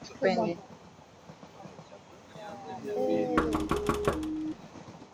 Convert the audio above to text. Baada ya kuwa wahasiriwa wa mauaji hayo